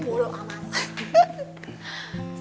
bu lu aman